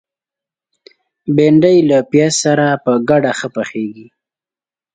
بېنډۍ له پیاز سره ګډه ښه پخیږي